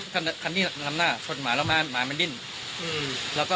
คันนี้ทำหน้าชนหมาแล้วหมามันดิ้นอืมแล้วก็